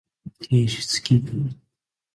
提出期限